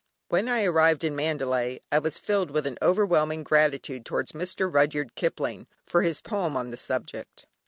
When I arrived in Mandalay I was filled with an overwhelming gratitude towards Mr. Rudyard Kipling for his poem on the subject.